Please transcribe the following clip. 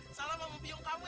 ini buat biung kamu